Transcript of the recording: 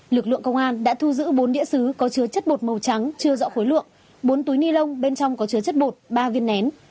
lực lượng công an đã thu giữ bốn đĩa xứ có chứa chất bột màu trắng chưa rõ khối lượng bốn túi ni lông bên trong có chứa chất bột ba viên nén